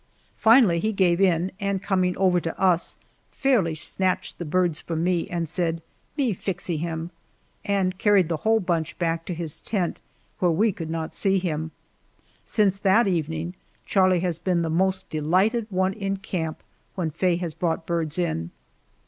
Finally he gave in, and coming over to us, fairly snatched the birds from me and said, "Me flixee him," and carried the whole bunch back of his tent where we could not see him. Since that evening Charlie has been the most delighted one in camp when Faye has brought birds in.